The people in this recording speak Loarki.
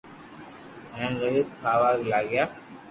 ھين روي کاھ وا لاگيو